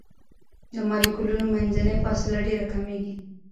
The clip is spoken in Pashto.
د مالیکولونو منځنۍ فاصله ډیره کمیږي.